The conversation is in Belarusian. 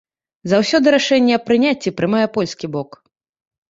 Заўсёды рашэнне аб прыняцці прымае польскі бок.